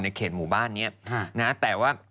เขตหมู่บ้านนี้นะแต่ว่า